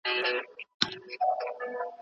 که پوهه عامه سي، ټولنه کې فساد نه پیدا کېږي.